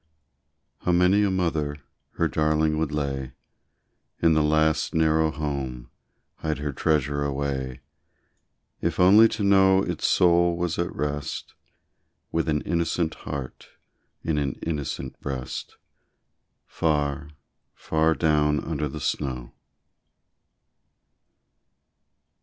How many a mother her darling would lay In the last, narrow home hide her treasure away If only to know its soul was at rest With an innocent heart in an innocent breast, Far, far down under the snow!